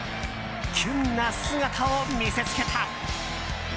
キュンな姿を見せつけた。